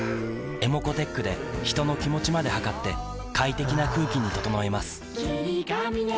ｅｍｏｃｏーｔｅｃｈで人の気持ちまで測って快適な空気に整えます